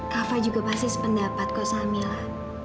kava juga pasti sependapat kosa mila